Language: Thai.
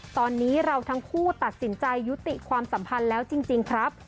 ตอนนี้เราทั้งคู่ตัดสินใจยุติความสัมพันธ์แล้วจริงครับ